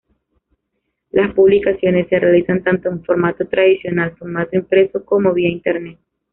Las publicaciones se realizan tanto en formato tradicional formato impreso, como vía Internet.